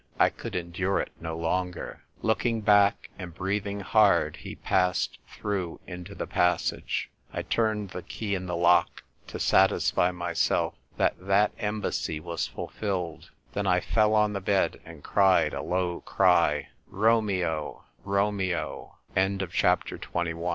I could endure it no longer. Looking back and breathing hard, he passed through into the passage. I turned the key in the lock to satisfy mysell that that embassy was fulfilled ; then I fell on the bed, and cried a